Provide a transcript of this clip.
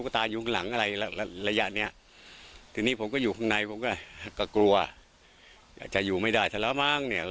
ทีนี้ผมก็อยู่ข้างในผมก็ก็กลัวอยากจะอยู่ไม่ได้ซะแล้วมั้งเนี่ย